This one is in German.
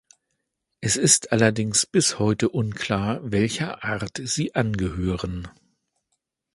Es ist allerdings bis heute unklar, welcher Art sie angehören.